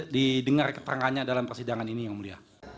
didengar keterangannya dalam persidangan ini yang mulia